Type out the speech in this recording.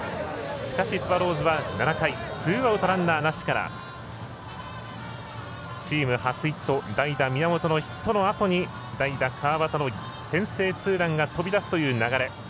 しかし、スワローズは７回ツーアウト、ランナーなしからチーム初ヒット代打宮本のヒットのあとに代打川端の先制ツーランが飛び出すという流れ。